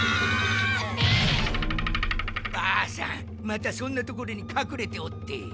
ばあさんまたそんなところにかくれておって。